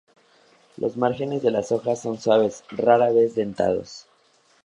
Los márgenes de las hojas son suaves, rara vez dentados.